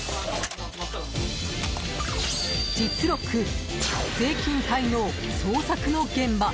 実録、税金滞納捜索の現場。